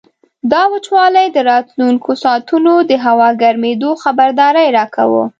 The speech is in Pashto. دا وچوالی د راتلونکو ساعتونو د هوا ګرمېدو خبرداری راکاوه.